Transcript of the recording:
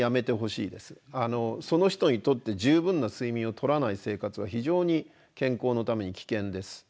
その人にとって十分な睡眠をとらない生活は非常に健康のために危険です。